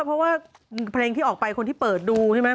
เพราะว่าเพลงที่ออกไปคนที่เปิดดูใช่ไหม